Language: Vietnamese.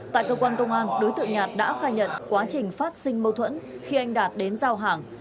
tại cơ quan công an đối tượng nhạt đã khai nhận quá trình phát sinh mâu thuẫn khi anh đạt đến giao hàng